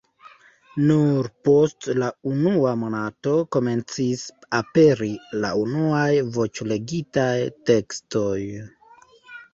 Nur post la unua monato komencis aperi la unuaj voĉlegitaj tekstoj.